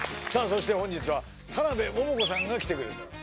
そして本日は田辺桃子さんが来てくれてます